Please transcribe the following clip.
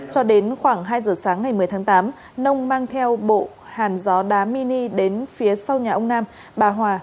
cho đến khoảng hai giờ sáng ngày một mươi tháng tám nông mang theo bộ hàn gió đá mini đến phía sau nhà ông nam bà hòa